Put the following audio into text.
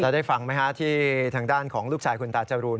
ได้ฟังไหมฮะที่ทางด้านของลูกชายคุณตาจรูน